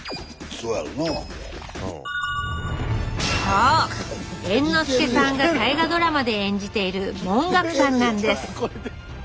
そう猿之助さんが大河ドラマで演じている文覚さんなんです。